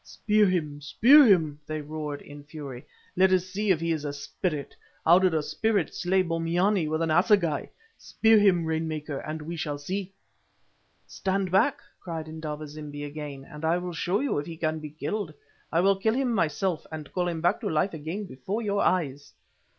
"Spear him! spear him!" they roared in fury. "Let us see if he is a spirit. How did a spirit slay Bombyane with an assegai? Spear him, rain maker, and we shall see." "Stand back," cried Indaba zimbi again, "and I will show you if he can be killed. I will kill him myself, and call him back to life again before your eyes."